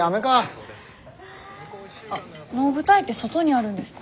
能舞台って外にあるんですか？